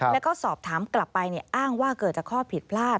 แล้วก็สอบถามกลับไปอ้างว่าเกิดจากข้อผิดพลาด